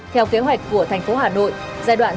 theo kế hoạch của thành phố hà nội giai đoạn